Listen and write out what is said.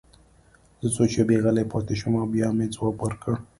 زه څو شېبې غلی پاتې شوم او بیا مې ځواب ورکړ